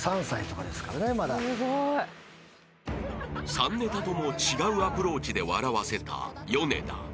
［３ネタとも違うアプローチで笑わせたヨネダ］